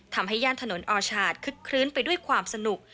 ทำให้ยานถนนออร์ชาติคึกคลื้นไปด้วยความสนุก